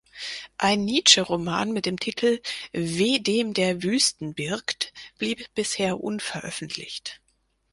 Ein Nietzsche-Roman mit dem Titel "Weh dem der Wüsten birgt" blieb bisher unveröffentlicht.